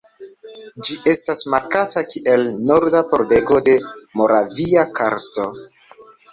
Ĝi estas markata kiel "Norda pordego de Moravia karsto".